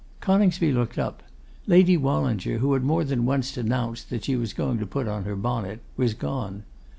Coningsby looked up; Lady Wallinger, who had more than once announced that she was going to put on her bonnet, was gone.